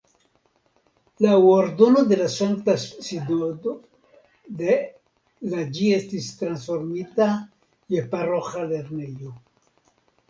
Laŭ ordono de la Sankta Sinodo de la ĝi estis transformita je paroĥa lernejo.